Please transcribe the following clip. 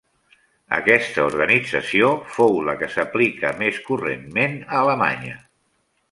Aquesta organització fou la que s'aplicà més correntment a Alemanya.